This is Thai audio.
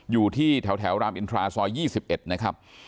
อยู่ที่แถวรามอินทราซอย๒๑นะครับ